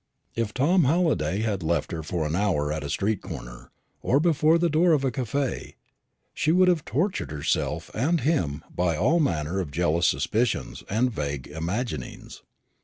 If Tom Halliday had left her for an hour at a street corner, or before the door of a café, she would have tortured herself and him by all manner of jealous suspicions and vague imaginings.